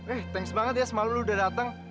eh thanks banget ya semalam lu udah datang